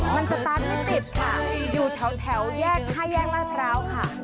มันสตาร์ทไม่ติดค่ะอยู่แถวแถวแยกห้าแยกมากแล้วค่ะ